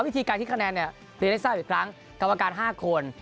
ที่การทิ้งคะแนนเนี่ยเรียนได้ทราบอีกครั้งกรรมการห้าคน